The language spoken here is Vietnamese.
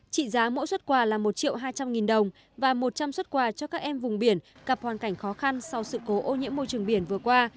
trị giá mỗi xuất quà là một triệu hai trăm linh nghìn đồng và một trăm linh xuất quà cho các em vùng biển gặp hoàn cảnh khó khăn sau sự cố ô nhiễm môi trường biển vừa qua